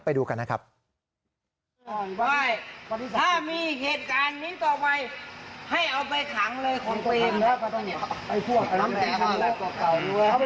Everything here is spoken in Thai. ไปดูกันนะครับถ้ามีเหตุการณ์นี้ต่อไปให้เอาไปขังเลยคนเป็น